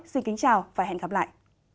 xin kính chào và hẹn gặp lại